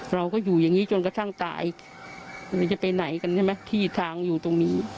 เราก็อยู่อย่างนี้จนกระทั่งตายไม่รู้จะไปไหนกันใช่ไหมที่ทางอยู่ตรงนี้